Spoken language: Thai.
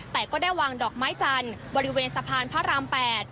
แต่ก็ได้วางดอกไม้จันทร์บริเวณสะพานพระราม๘